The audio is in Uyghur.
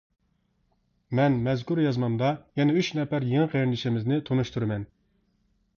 مەن مەزكۇر يازمامدا يەنە ئۈچ نەپەر يېڭى قېرىندىشىمىزنى تونۇشتۇرىمەن.